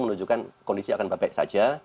menunjukkan kondisi akan baik baik saja